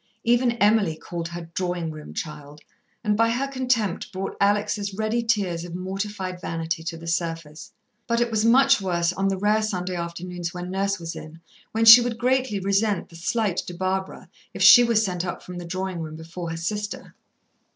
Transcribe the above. Even Emily called her "drawing room child," and by her contempt brought Alex' ready tears of mortified vanity to the surface. But it was much worse on the rare Sunday afternoons when Nurse was in, when she would greatly resent the slight to Barbara if she was sent up from the drawing room before her sister.